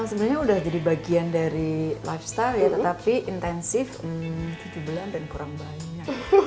sebenarnya udah jadi bagian dari lifestyle ya tetapi intensif tujuh bulan dan kurang banyak